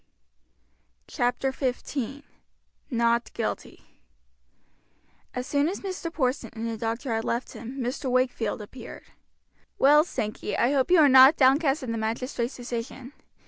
CHAPTER XV: NOT GUILTY As soon as Mr. Porson and the doctor had left him Mr. Wakefield appeared. "Well, Sankey, I hope you are not downcast at the magistrates' decision.